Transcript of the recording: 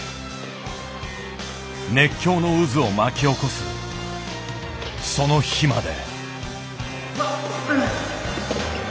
熱狂の渦を巻き起こすその日まで。